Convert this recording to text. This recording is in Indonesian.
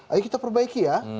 ayo kita perbaiki ya